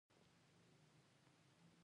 یو کاغذ ور واخیست، شونډې یې وخوځېدې.